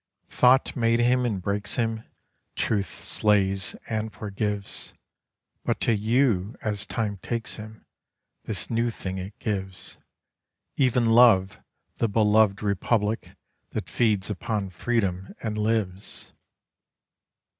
Thought made him and breaks him, Truth slays and forgives; But to you, as time takes him, This new thing it gives, Even love, the beloved Republic, that feeds upon freedom and lives.